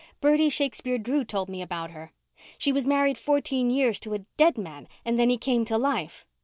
"Bertie Shakespeare Drew told me about her. She was married fourteen years to a dead man and then he came to life."